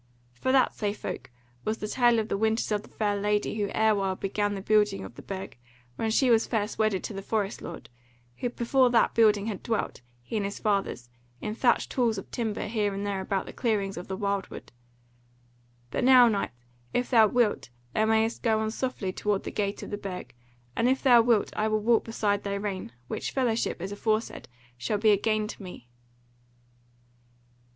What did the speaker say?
For that, say folk, was the tale of the winters of the Fair Lady who erewhile began the building of the Burg, when she was first wedded to the Forest Lord, who before that building had dwelt, he and his fathers, in thatched halls of timber here and there about the clearings of the wild wood. But now, knight, if thou wilt, thou mayest go on softly toward the Gate of the Burg, and if thou wilt I will walk beside thy rein, which fellowship, as aforesaid, shall be a gain to me."